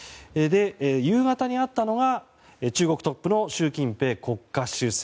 夕方に会ったのは中国トップの習近平国家主席。